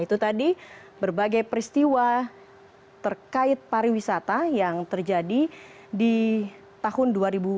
itu tadi berbagai peristiwa terkait pariwisata yang terjadi di tahun dua ribu dua puluh